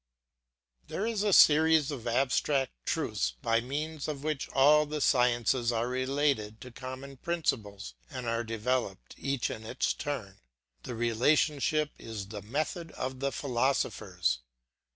There is a series of abstract truths by means of which all the sciences are related to common principles and are developed each in its turn. This relationship is the method of the philosophers.